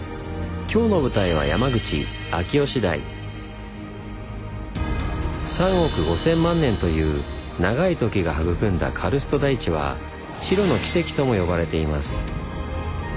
今日の舞台は３億５，０００万年という長い時が育んだカルスト台地は「白の奇跡」とも呼ばれています。